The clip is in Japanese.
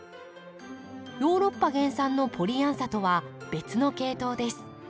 ヨーロッパ原産のポリアンサとは別の系統です。